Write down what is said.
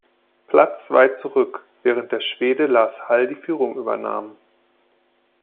Platz weit zurück, während der Schwede Lars Hall die Führung übernahm.